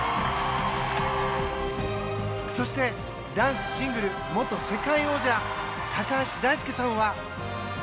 そして男子シングル元世界王者高橋大輔さんは